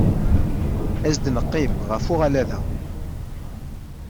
As-d ad neqqim ɣef uɣalad-a.